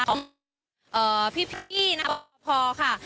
ค่ะนี่เป็นสิ่งของพี่พอค่ะ